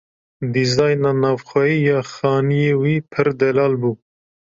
Dîzayna navxweyî ya xaniyê wî pir delal bû.